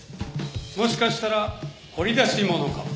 もしかしたら掘り出し物かも。